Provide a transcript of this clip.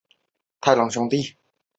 太郎兄弟。